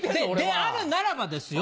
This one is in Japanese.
であるならばですよ